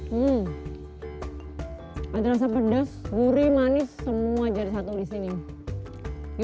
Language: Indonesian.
hmm ada rasa pedas gurih manis semua jadi satu di sini